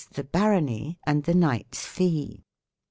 the " barony" and the knight's fee.